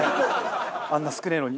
あんな少ねえのに。